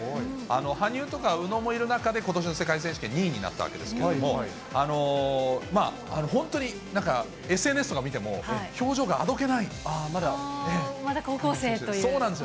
羽生とか宇野もいる中で、ことしの世界選手権、２位になったわけですけれども、本当になんか、ＳＮＳとか見ても、表情があどけないんです。